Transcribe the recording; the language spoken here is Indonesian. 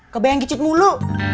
kebayang kicet mulu